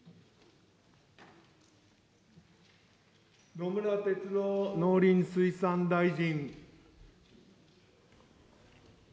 野村哲郎農林水産大臣。